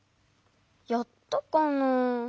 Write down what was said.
やったかな？